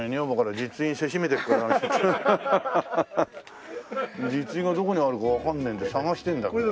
実印がどこにあるかわかんないんで探してんだけど。